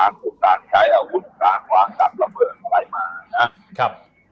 มีอุปกรณ์ใช้อาหุศาห์ศาลพลิกละบิกไปมา